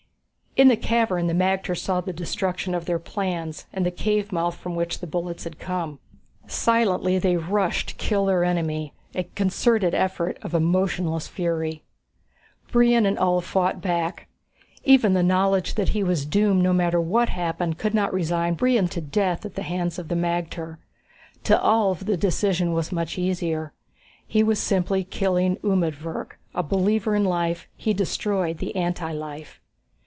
In the cavern the magter saw the destruction of their plans, and the cave mouth from which the bullets had come. Silently they rushed to kill their enemy a concerted wave of emotionless fury. Brion and Ulv fought back. Even the knowledge that he was doomed no matter what happened could not resign Brion to death at the hands of the magter. To Ulv, the decision was much easier. He was simply killing umedvirk. A believer in life, he destroyed the anti life.